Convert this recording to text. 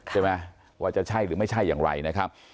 ใช่ไหมว่าจะใช่หรือไม่ใช่อย่างไรนะครับ